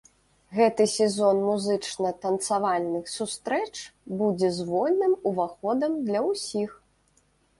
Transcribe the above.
Гэты сезон музычна-танцавальных сустрэч будзе з вольным уваходам для ўсіх!